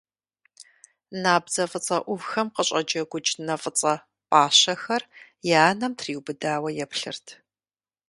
Набдзэ фӀыцӀэ Ӏувхэм къыщӀэджэгукӀ нэ фӀыцӀэ пӀащэхэр и анэм триубыдауэ еплъырт.